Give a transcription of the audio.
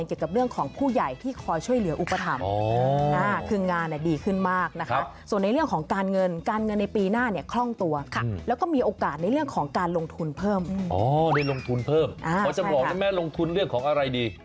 แล้วก็มีโอกาสในเรื่องของการลงทุนเพิ่มอ๋อได้ลงทุนเพิ่มขอจะบอกนะแม่ลงทุนเรื่องของอะไรดี